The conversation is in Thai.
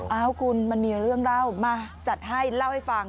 เอ้าคุณมันมีเรื่องเล่ามาจัดให้เล่าให้ฟัง